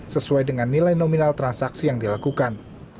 sesuai dengan nilai nominal transaksi yang dilakukan